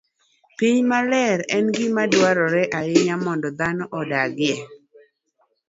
Piny maler en gima dwarore ahinya mondo dhano odagie.